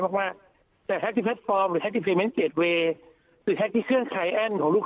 มากมากแต่แฮ็กซ์ที่แพลตฟอร์มหรือแฮ็กซ์ที่เครื่องไขแอนของลูก